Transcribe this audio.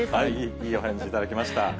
いいお返事いただきました。